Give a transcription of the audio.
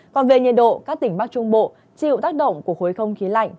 còn về nhiệt độ các tỉnh bắc trung bộ chịu tác động của khối không khí lạnh